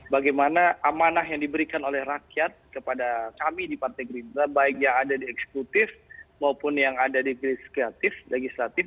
bagaimana amanah yang diberikan oleh rakyat kepada kami di partai gerindra baik yang ada di eksekutif maupun yang ada di kreatif legislatif